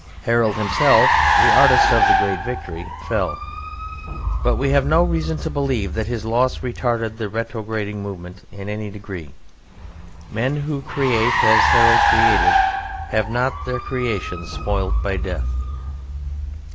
Harold himself, the artist of the great victory, fell. But we have no reason to believe that his loss retarded the retrograding movement in any degree. Men who create as Harold created have not their creations spoilt by death.